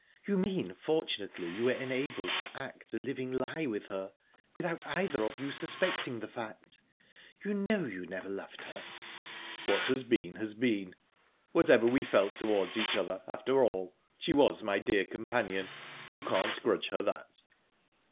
You mean, fortunately you were enabled to act a living lie with her, without either of you suspecting the fact ...You know you never loved her." "What has been, has been. Whatever we felt towards each other, after all, she was my dear companion. You can't grudge her that."